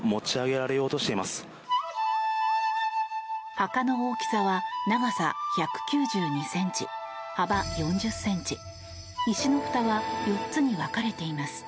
墓の大きさは長さ１９２ｃｍ、幅４０ｃｍ石のふたは４つに分かれています。